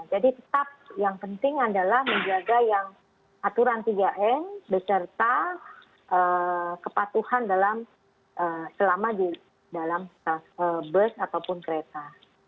jadi tetap yang penting adalah menjaga yang aturan tiga m beserta kepatuhan selama di dalam bus ataupun kereta